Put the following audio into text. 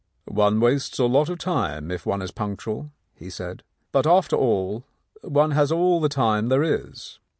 "One wastes a lot of time if one is punctual," he said. "But, after all, one has all the time there is."